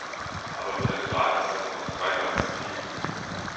Aber für den Rat ist das noch dreimal zu viel.